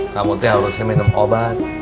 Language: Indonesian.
kamu tuh harusnya minum obat